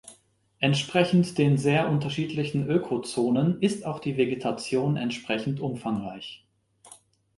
Entsprechend den sehr unterschiedlichen Ökozonen ist auch die Vegetation entsprechend umfangreich.